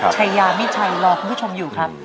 ชายามิชัยรอคุณผู้ชมอยู่ครับ